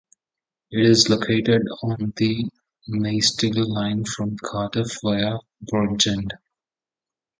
It is located on the Maesteg Line from Cardiff via Bridgend.